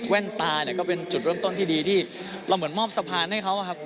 ตาเนี่ยก็เป็นจุดเริ่มต้นที่ดีที่เราเหมือนมอบสะพานให้เขาครับ